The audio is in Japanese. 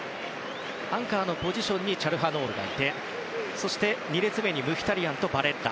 アンカーのポジションにチャルハノールがいてそして、２列目にムヒタリアンとバレッラ。